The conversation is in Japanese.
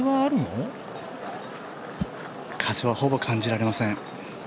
風はほぼ感じられません。